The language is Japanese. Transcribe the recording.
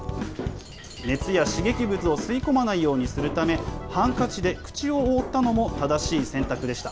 熱や刺激物を吸い込まないようにするためハンカチで口を覆ったのも正しい選択でした。